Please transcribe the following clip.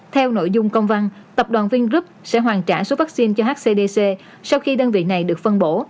theo nội dung công văn tập đoàn vingroup sẽ hoàn trả số vaccine cho hcdc sau khi đơn vị này được phân bổ